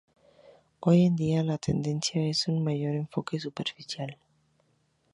Hoy en día, la tendencia es un mayor enfoque superficial.